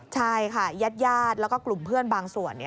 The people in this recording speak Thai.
ใช่ค่ะญาติแล้วก็กลุ่มเพื่อนบางส่วน